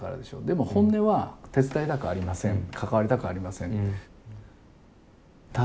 でも本音は手伝いたくありません関わりたくありません。